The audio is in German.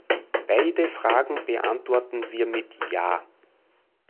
Beide Fragen beantworten wir mit "Ja" .